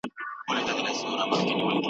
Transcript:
هغه په کمپيوټر کي پاورپوينټ جوړوي.